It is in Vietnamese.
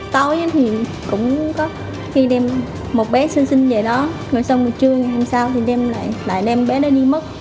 tối thì cũng có khi đem một bé sơ sinh về đó rồi xong rồi trưa ngày hôm sau thì đem lại lại đem bé đó đi mất